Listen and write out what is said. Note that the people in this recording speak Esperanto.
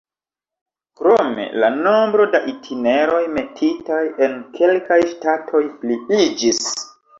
Krome, la nombro da itineroj metitaj en kelkaj ŝtatoj pliiĝis.